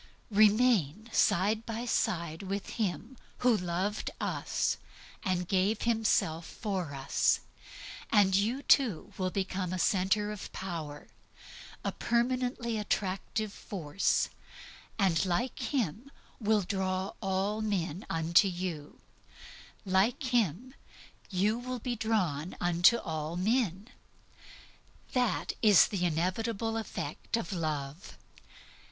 Remain side by side with Him who loved us, and GAVE HIMSELF FOR US, and you, too, will become a permanent magnet, a permanently attractive force; and like Him you will draw all men unto you, like Him you will be drawn unto all men. That is the inevitable effect of Love.